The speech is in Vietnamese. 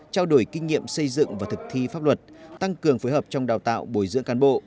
trao đổi kinh nghiệm xây dựng và thực thi pháp luật tăng cường phối hợp trong đào tạo bồi dưỡng cán bộ